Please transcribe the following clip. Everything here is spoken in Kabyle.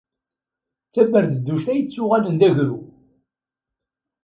D taberdedduct ay yettuɣalen d agru.